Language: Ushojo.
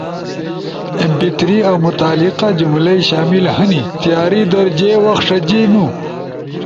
ایم پی تھری اؤ متعلقہ جملئی شامل ہنی، تیاری در جے وخ ݜجینو